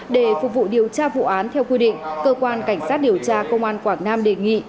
để phục vụ điều tra vụ án theo quy định cơ quan cảnh sát điều tra công an quảng nam đề nghị